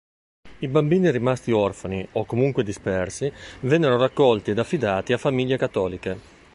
I bambini rimasti orfani o comunque dispersi vennero raccolti ed affidati a famiglie cattoliche.